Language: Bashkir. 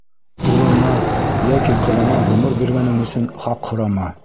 Улыңа йәки ҡыҙыңа ғүмер биргәнең өсөн хаҡ һорама.